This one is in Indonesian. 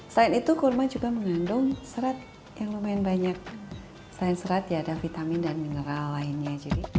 selain itu kurma juga mengandung serat yang lumayan banyak selain serat ya ada vitamin dan mineral lainnya